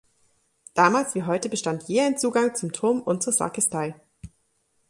Damals wie heute bestand je ein Zugang zum Turm und zur Sakristei.